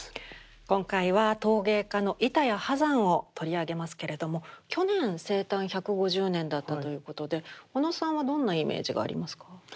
今回は陶芸家の板谷波山を取り上げますけれども去年生誕１５０年だったということで小野さんはどんなイメージがありますか？